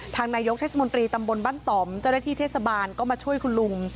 นายกเทศมนตรีตำบลบ้านต่อมเจ้าหน้าที่เทศบาลก็มาช่วยคุณลุง